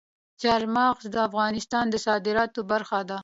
چار مغز د افغانستان د صادراتو برخه ده.